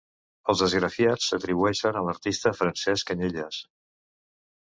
Els esgrafiats s'atribueixen a l'artista Francesc Canyelles.